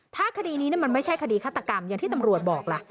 ถ้าคดีนี้มันไม่ใช่คดีฆาตกรรมอย่างที่ตำรวจบอกล่ะ